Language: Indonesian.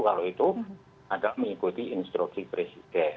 kalau itu ada mengikuti instruksi presiden